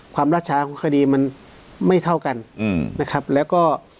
ราชชาของคดีมันไม่เท่ากันอืมนะครับแล้วก็